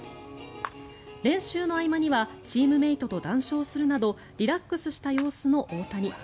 練習の合間にはチームメートと談笑するなどリラックスした様子の大谷。